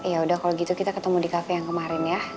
yaudah kalau gitu kita ketemu di cafe yang kemarin ya